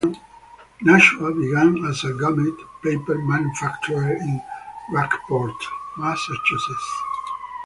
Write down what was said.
Nashua began as a gummed paper manufacturer in Rockport, Massachusetts.